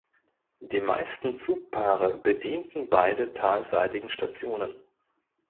Die meisten Zugpaare bedienten beide talseitigen Stationen.